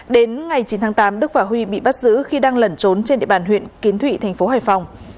đến ngày chín tháng tám đức và huy bị bắt giữ khi đang lẩn trốn trên địa bàn huyện kiến thụy thành phố hải phòng